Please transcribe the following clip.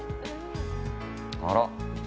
あら？